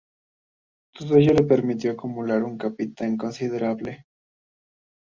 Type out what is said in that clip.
Todo ello le permitió acumular un capital considerable.